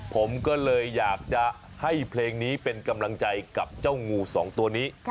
ผมก็เลยอยากจะให้เพลงนี้เป็นกำลังใจกับเจ้างูสองตัวนี้